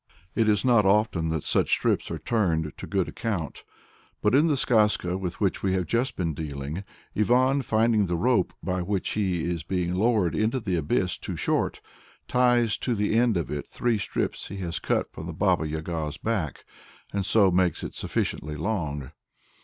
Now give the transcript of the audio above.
It is not often that such strips are turned to good account, but in the Skazka with which we have just been dealing, Ivan finding the rope by which he is being lowered into the abyss too short, ties to the end of it the three strips he has cut from the Baba Yaga's back, and so makes it sufficiently long.